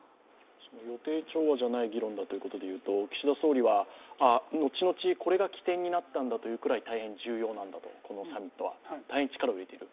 予定調和じゃない意義だということで、岸田総理は後々、これが起点になったんだというぐらい大変重要なんだろう、このサミットは。大変力を入れている。